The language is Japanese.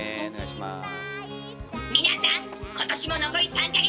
皆さん今年も残り３か月！